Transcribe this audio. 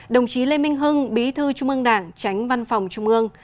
đồng chí lê minh hưng bí thư trung ương đảng tránh văn phòng trung ương